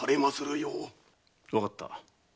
わかった。